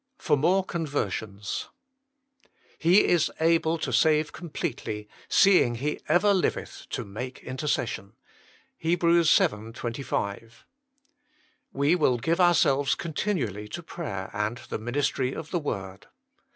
|For mo (Eonfajrstmts " He is able to save completely, seeing He ever liveth to make intercession." HEB. vii. 25. "We will give ourselves continually to prayer and the ministry of the word.